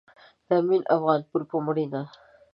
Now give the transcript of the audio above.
د امين افغانپور په مړينه